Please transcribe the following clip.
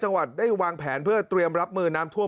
จังหวัดได้วางแผนเพื่อเตรียมรับมือน้ำท่วม